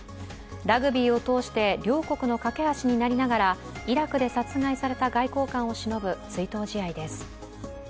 ラグビーを通して両国の懸け橋になりながら、イラクで殺害された外交官をしのぶ追悼試合です。